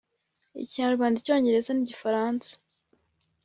Ikinyarwanda Icyongereza n Igifaransa